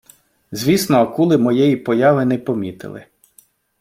Звісно, акули моєї появи не помітили.